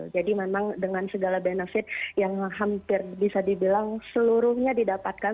jadi memang dengan segala benefit yang hampir bisa dibilang seluruhnya didapatkan